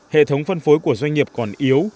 hệ thống phân phối của doanh nghiệp còn yếu